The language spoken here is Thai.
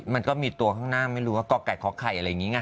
มันก็มีตัวข้างหน้าไม่รู้ว่าก่อไก่ก่อไข่อะไรอย่างนี้ไง